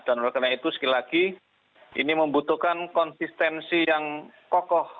dan oleh karena itu sekali lagi ini membutuhkan konsistensi yang kokoh